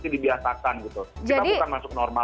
dibiasakan gitu kita bukan masuk normal